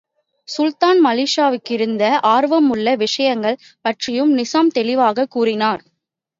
சுல்தான் மாலிக்ஷாவுக்கிருந்த ஆர்வமுள்ள விஷயங்கள் பற்றியும் நிசாம் தெளிவாகக் கூறினார்.